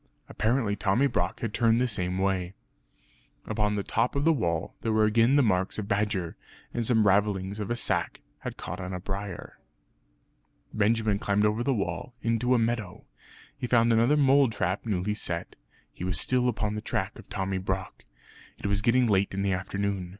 Apparently Tommy Brock had turned the same way. Upon the top of the wall, there were again the marks of badger; and some ravellings of a sack had caught on a briar. Benjamin climbed over the wall, into a meadow. He found another mole trap newly set; he was still upon the track of Tommy Brock. It was getting late in the afternoon.